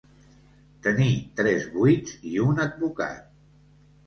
Tenir tres vuits i un advocat.